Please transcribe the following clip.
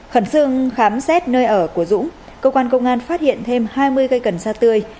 khẩn trương khám xét nơi ở của dũng cơ quan công an phát hiện thêm hai mươi cây cần sa tươi